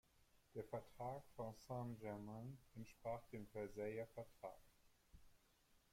Der Vertrag von Saint-Germain entsprach dem Versailler Vertrag.